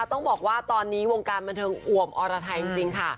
ต้องบอกว่าตอนนี้วงการบันเทิงอ่วมอรไทยจริงค่ะ